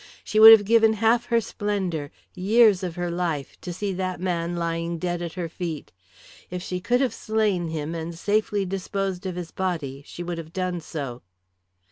She would have given half her splendour, years of her life, to see that man lying dead at her feet. If she could have slain him and safely disposed of his body she would have done so.